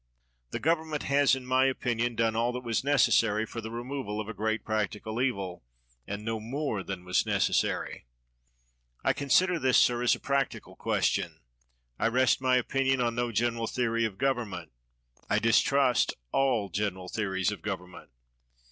The government has, in my opinion, done all that was necessary for the removal of a great practical evil, and no more than was necessary. I consider this, sir, as a practical question. I rest my opinion on no general theory of govern ment. I distrust all general theories of govern ment.